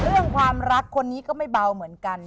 เรื่องความรักคนนี้ก็ไม่เบาเหมือนกัน